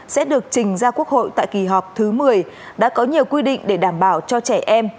sẽ được trình ra quốc hội tại kỳ họp thứ một mươi đã có nhiều quy định để đảm bảo cho trẻ em